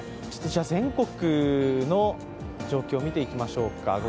全国の状況を見ていきましょうか。